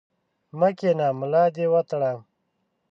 مه کښېنه ، ملا دي وتړه!